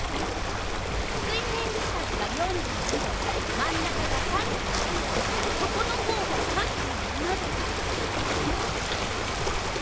水面近くが４２℃真ん中が３９℃そこのほうが３７℃。